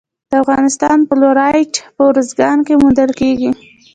د افغانستان فلورایټ په ارزګان کې موندل کیږي.